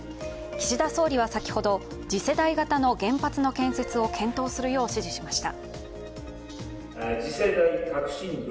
岸田総理は先ほど次世代型の原発の建設を検討するよう指示しました。